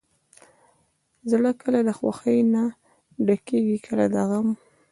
زړه کله د خوښۍ نه ډکېږي، کله د غم.